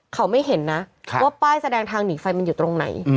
เขาไม่เห็นนะว่าป้ายแสดงทางหนีไฟมันอยู่ตรงไหน